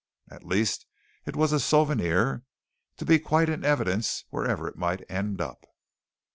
At least, it was a souvenir to be quite in evidence wherever it might end up.